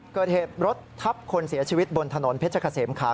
เกิดเหตุรถทับคนเสียชีวิตบนถนนเพชรเกษมขา